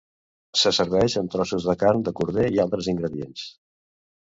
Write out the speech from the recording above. Se serveix amb trossos de carn de corder i altres ingredients.